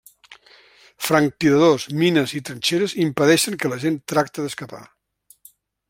Franctiradors, mines i trinxeres impedeixen que la gent tracte d'escapar.